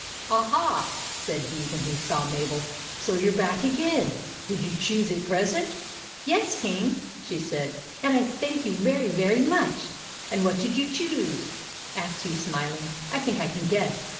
"Aha!" said he when he saw Mabel. " So you 're back again. Did you choose a present ?"" Yes, King," said she ;" and I thank you very, very much." " And what did you choose ?" asked he, smiling. " I think I can guess.